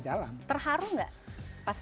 jalan terharu gak pas